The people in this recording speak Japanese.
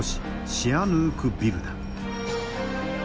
シアヌークビルだ。